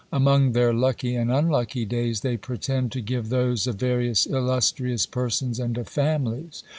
Among their lucky and unlucky days, they pretend to give those of various illustrious persons and of families.